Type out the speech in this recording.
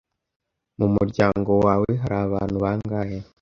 Mu muryango wawe hari abantu bangahe?